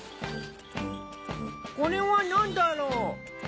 これはなんだろう？